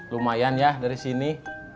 lumayan ya dari sini